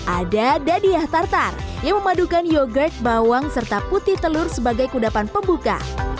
ada dadiah tartar yang memadukan yogurt bawang serta putih telur sebagai kudapan pembuka